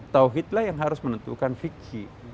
tauhid lah yang harus menentukan fikih